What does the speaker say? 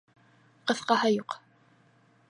Ҡыҫҡаһы, юҡ!